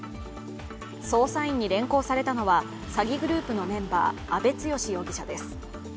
捜査員に連行されたのは詐欺グループのメンバー、阿部剛容疑者です。